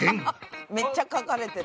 めっちゃ描かれてる。